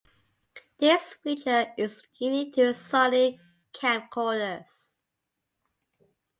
This feature is unique to Sony camcorders.